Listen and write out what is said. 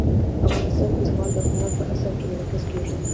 افغانستان کې زغال د هنر په اثار کې منعکس کېږي.